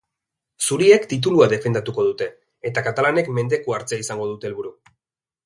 Zuriek titulua defendatuko dute, eta katalanek mendekua hartzea izango dute helburu.